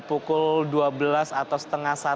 pukul dua belas atau setengah satu